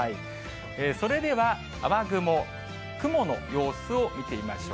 それでは雨雲、雲の様子を見てみましょう。